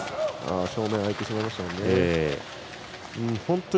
正面が空いてしまいましたね。